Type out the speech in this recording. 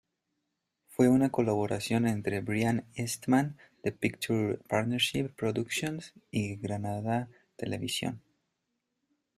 Fue una colaboración entre Brian Eastman, de Picture Partnership Productions, y Granada Televisión.